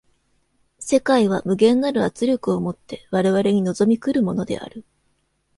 世界は無限なる圧力を以て我々に臨み来るものである。